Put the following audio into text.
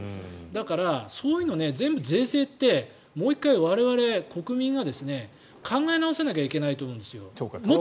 だからそういうのを全部税制ってもう１回我々国民が考え直さなきゃいけないと思うんですよ。